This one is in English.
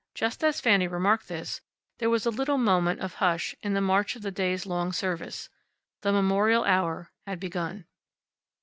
Just as Fanny remarked this, there was a little moment of hush in the march of the day's long service. The memorial hour had begun.